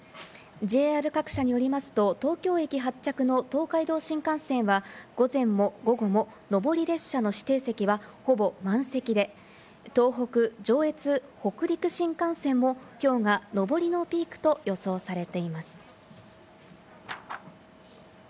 ＪＲ各社によりますと、東京駅発着の東海道新幹線は午前も午後も、上り列車の指定席はほぼ満席で、東北、上越、北陸新幹線も今日が上りのピークと予想されています。